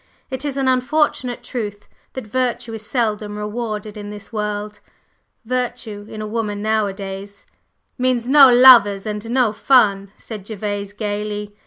It is an unfortunate truth that virtue is seldom rewarded in this world. Virtue in a woman nowadays " "Means no lovers and no fun!" said Gervase gayly.